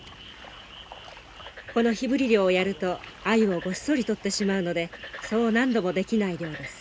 この火ぶり漁をやるとアユをごっそり取ってしまうのでそう何度もできない漁です。